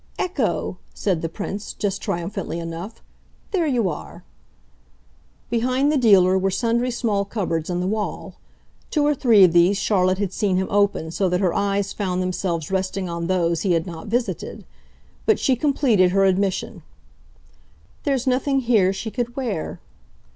"Ecco!" said the Prince just triumphantly enough. "There you are." Behind the dealer were sundry small cupboards in the wall. Two or three of these Charlotte had seen him open, so that her eyes found themselves resting on those he had not visited. But she completed her admission. "There's nothing here she could wear."